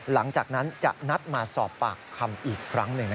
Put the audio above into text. หลังจากนั้นจะนัดมาสอบปากคำอีกครั้งหนึ่ง